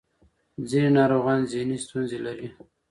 ځینې ناروغان ذهني ستونزې لري.